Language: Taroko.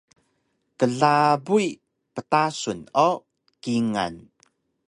klabuy ptasun o kingal